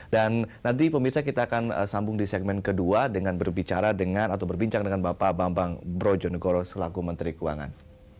dan nanti pemerintah kita akan sambung di segmen kedua dengan berbicara dengan atau berbincang dengan bapak bambang brojonegoro selaku menteri keuangan